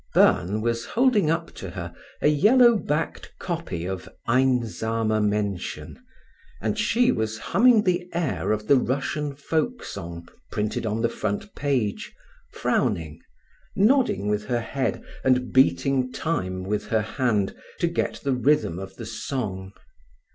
Byrne was holding up to her a yellow backed copy of Einsame Menschen, and she was humming the air of the Russian folk song printed on the front page, frowning, nodding with her head, and beating time with her hand to get the rhythm of the song.